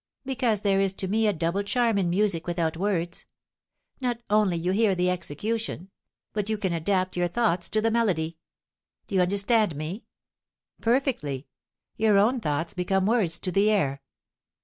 "Because there is to me a double charm in music without words. Not only you hear the execution, but you can adapt your thoughts to the melody. Do you understand me?" "Perfectly; your own thoughts become words to the air."